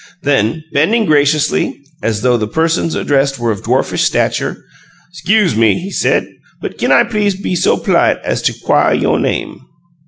Then bending graciously, as though the persons addressed were of dwarfish stature, "'Scuse me," he said, "but kin I please be so p'lite as to 'quiah you' name?"